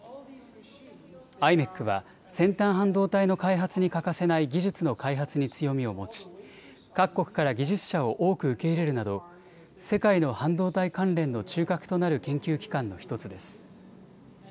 ｉｍｅｃは先端半導体の開発に欠かせない技術の開発に強みを持ち、各国から技術者を多く受け入れるなど世界の半導体関連の中核となる研究機関の１つです。